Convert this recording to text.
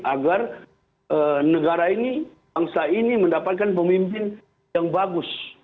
agar negara ini bangsa ini mendapatkan pemimpin yang bagus